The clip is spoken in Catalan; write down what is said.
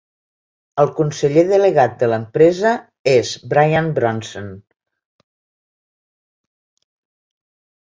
El conseller delegat de l'empresa és Brian Bronson.